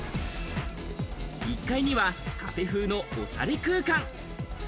１階にはカフェ風のおしゃれ空間。